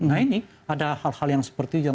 nah ini ada hal hal yang seperti yang